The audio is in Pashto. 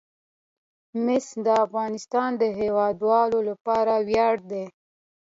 مس د افغانستان د هیوادوالو لپاره ویاړ دی.